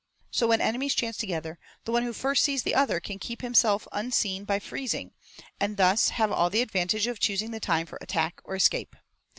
So when enemies chance together, the one who first sees the other can keep himself unseen by 'freezing' and thus have all the advantage of choosing the time for attack or escape.